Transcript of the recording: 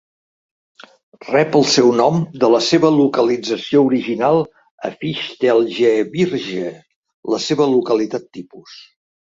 Rep el seu nom de la seva localització original a Fichtelgebirge, la seva localitat tipus.